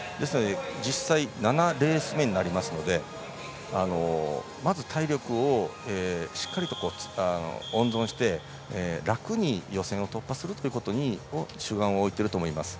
実際、７レース目になりますのでまず体力をしっかりと温存して楽に予選を突破するということに主眼を置いていると思います。